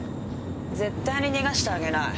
絶対に逃がしてあげない。